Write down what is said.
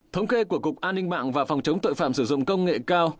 thống kê của cục an ninh mạng và phòng chống tội phạm sử dụng công nghệ cao